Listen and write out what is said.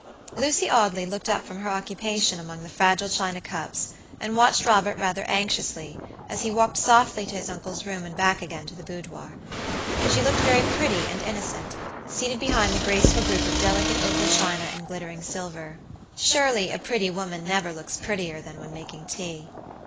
Lucy Audley looked up from her occupation among the fragile china cups and watched Robert rather anxiously as he walked softly to his uncle's room and back again to the boudoir. She looked very pretty and innocent, seated behind the graceful group of delicate opal china and glittering silver. Surely a pretty woman never looks prettier than when making tea.